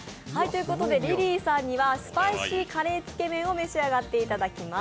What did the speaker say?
リリーさんにはスパイシーカレーつけ麺を召し上がっていただきます。